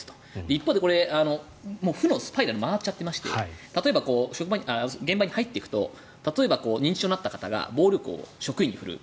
一方で、負のスパイラルが回っちゃってまして例えば、現場に入っていくと例えば認知症になった方が暴力を職員に振るう。